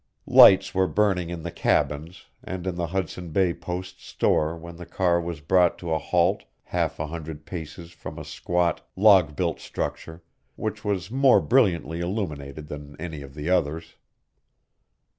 Lights were burning in the cabins and in the Hudson Bay Post's store when the car was brought to a halt half a hundred paces from a squat, log built structure, which was more brilliantly illuminated than any of the others.